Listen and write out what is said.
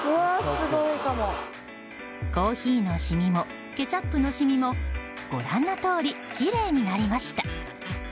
コーヒーのシミもケチャップのシミもご覧のとおりきれいになりました。